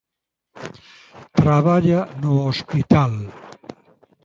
Traballa no hospital.